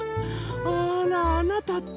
あらあなたったら。